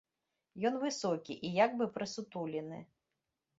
Ён высокі і як бы прысутулены.